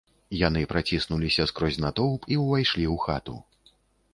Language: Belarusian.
Яны праціснуліся скрозь натоўп і ўвайшлі ў хату.